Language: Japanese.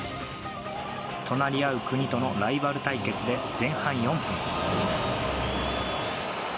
隣り合う国とのライバル対決で前半４分。